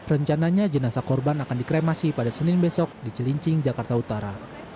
rencananya jenazah korban akan dikremasi pada senin besok di cilincing jakarta utara